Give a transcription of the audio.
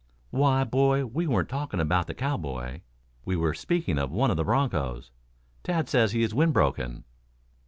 "Why, boy, we weren't talking about the cowboy. We were speaking of one of the bronchos. Tad says he is wind broken."